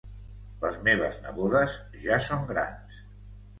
Les meves nebodes ja són grans